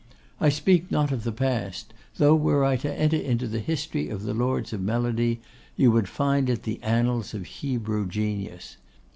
I speak not of the past; though, were I to enter into the history of the lords of melody, you would find it the annals of Hebrew genius.